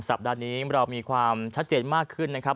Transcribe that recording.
สัปดาห์นี้เรามีความชัดเจนมากขึ้นนะครับ